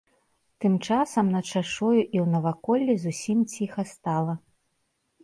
Тым часам над шашою і ў наваколлі зусім ціха стала.